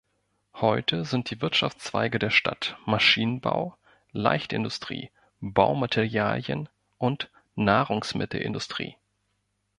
Heute sind die Wirtschaftszweige der Stadt Maschinenbau, Leichtindustrie, Baumaterialien und Nahrungsmittelindustrie.